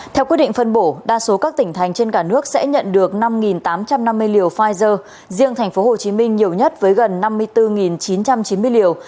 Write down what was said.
theo quyết định phân bổ đa số các tỉnh thành trên cả nước sẽ nhận được năm tám trăm năm mươi liều pfizer riêng thành phố hồ chí minh nhiều nhất với gần năm mươi bốn chín trăm chín mươi liều